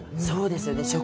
そうですよね。